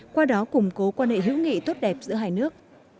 qua đó củng cố quan hệ hữu nghị tốt đẹp giữa hai nước